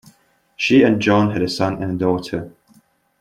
She and John had a son and a daughter.